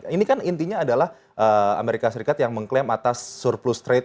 ini kan intinya adalah amerika serikat yang mengklaim atas surplus trade